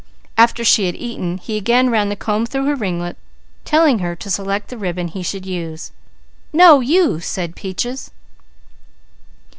After she had eaten he again ran the comb through her ringlets, telling her to select the ribbon he should use. "No you!" said Peaches.